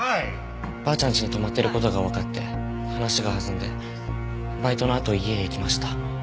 ばあちゃんちに泊まってる事がわかって話が弾んでバイトのあと家へ行きました。